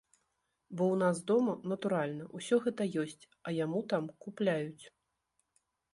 Бо ў нас дома, натуральна, усё гэта ёсць, а яму там купляюць.